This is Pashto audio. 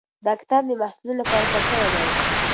دا کتاب د محصلینو لپاره چاپ شوی دی.